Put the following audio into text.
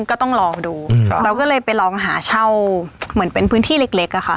ก็ต้องลองดูเราก็เลยไปลองหาเช่าเหมือนเป็นพื้นที่เล็กอะค่ะ